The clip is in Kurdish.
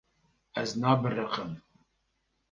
Ez nabiriqim.